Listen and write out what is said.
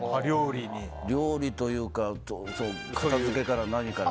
料理というか片付けから何から。